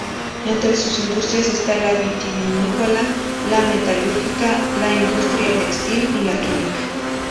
Entre sus industrias está la vitivinícola, la metalúrgica, la industria textil y la química.